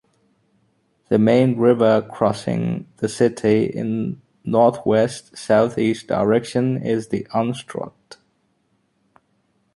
The main river crossing the city in northwest-southeast direction is the Unstrut.